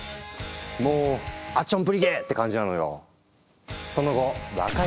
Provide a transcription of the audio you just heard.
もう「アッチョンブリケ！」って感じなのよ。